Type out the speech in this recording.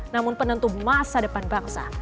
namun penentu masa depan bangsa